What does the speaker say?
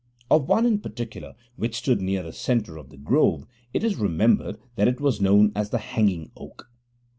Of one in particular, which stood near the centre of the grove, it is remembered that it was known as the Hanging Oak.